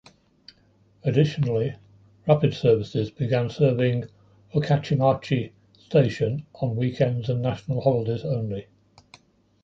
Additionally, rapid services began serving Okachimachi Station on weekends and national holidays only.